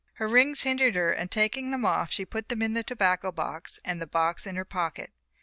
Her rings hindered her and taking them off she put them in the tobacco box and the box in her pocket.